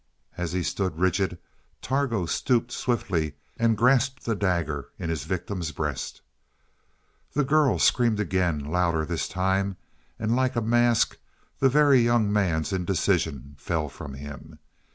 As he stood rigid Targo stooped swiftly and grasped the dagger in his victim's breast. The girl screamed again, louder this time, and like a mask the Very Young Man's indecision fell from him.